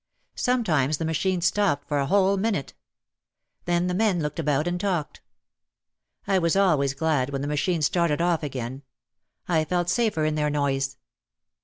Sometimes the machines stopped for a whole minute. Then the men looked about and talked. I was always glad when the machines started off again. I felt safer in their noise.